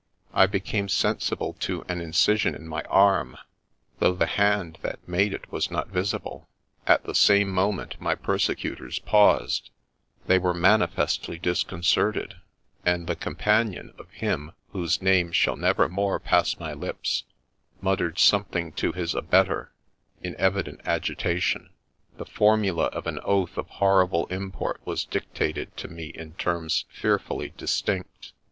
I became sensible to an incision in my arm, though the hand that made it was not visible ; at the same moment my persecutors paused ; they were manifestly disconcerted, and the companion of him, whose name shall never more pass my lips, muttered something to his abettor in evident agitation ; the formula of an oath of horrible import was dictated to me in terms fearfully distinct.